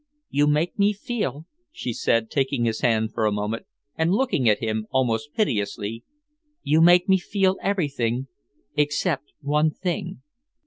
"You make me feel," she said, taking his hand for a moment and looking at him almost piteously, "you make me feel everything except one thing."